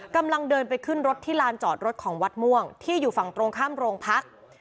กำลังเดินไปขึ้นรถที่ลานจอดรถของวัดม่วงที่อยู่ฝั่งตรงข้ามโรงพัก